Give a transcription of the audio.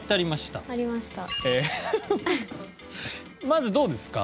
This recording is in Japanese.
まずどうですか？